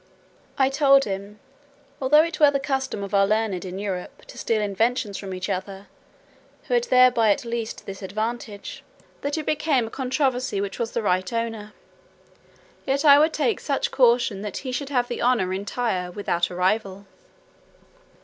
I told him, "although it were the custom of our learned in Europe to steal inventions from each other, who had thereby at least this advantage, that it became a controversy which was the right owner; yet I would take such caution, that he should have the honour entire, without a rival."